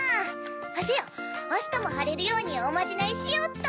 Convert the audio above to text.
せやあしたもはれるようにおまじないしよっと！